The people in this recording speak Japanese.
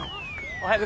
おはよう。